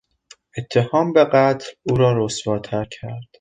اتهام به قتل او را رسواتر کرد.